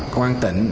công an tỉnh